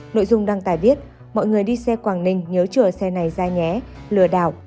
nội dung đăng tải viết mọi người đi xe quảng ninh nhớ chừa xe này ra nhé lừa đảo